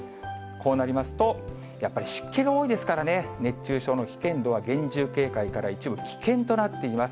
こうなりますと、やっぱり湿気が多いですからね、熱中症の危険度は厳重警戒から一部危険となっています。